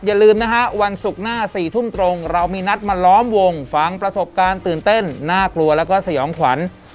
อย่าลืมนะฮะวันศุกร์หน้า๔ทุ่มตรงเรามีนัดมาล้อมวงฟังประสบการณ์ตื่นเต้นน่ากลัวแล้วก็สยองขวัญ